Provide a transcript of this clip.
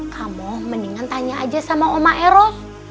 kamu mendingan tanya aja sama oma ero